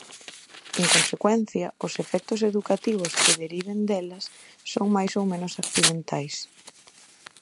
En consecuencia, os efectos educativos que deriven delas son máis ou menos accidentais.